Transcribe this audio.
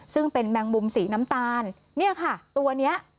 ซึ่งเป็นแมงมุมสีน้ำตาลเนี่ยค่ะตัวเนี้ย